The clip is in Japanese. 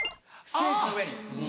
ステージの上に。